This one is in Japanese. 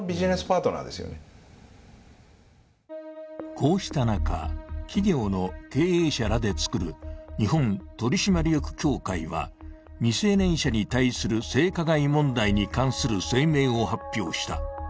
こうした中、企業の経営者らでつくる日本取締役協会は未成年者に対する性加害問題に関する声明を発表した。